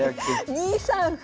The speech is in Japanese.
２三歩。